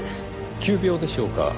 急病でしょうか？